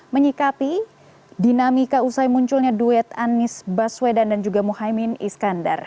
menyikapi dinamika usai munculnya duet anies baswedan dan juga muhaymin iskandar